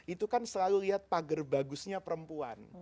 itu kan selalu lihat pagar bagusnya perempuan